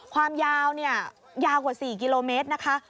ความยาวเนี่ยยาวกว่า๔กิโลเมตรนะคะ